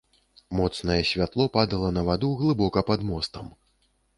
Моцнае святло падала на ваду, глыбока пад мостам.